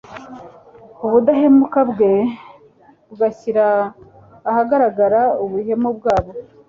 ubudahemuka bwe bugashyira ahagaragara ubuhemu bwabo.